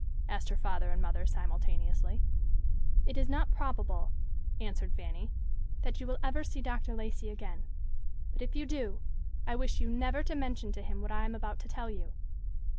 asked her father and mother, simultaneously. "It is not probable," answered Fanny, "that you will ever see Dr. Lacey again, but if you do, I wish you never to mention to him what I am about to tell you."